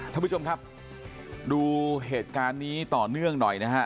ท่านผู้ชมครับดูเหตุการณ์นี้ต่อเนื่องหน่อยนะฮะ